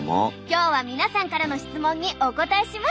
今日は皆さんからの質問にお答えします。